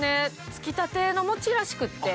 つきたての餅らしくて。